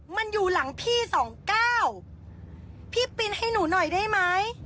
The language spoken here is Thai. มันอยู่หลังพี่สองเก้าพี่ปินให้หนูหน่อยได้ไหม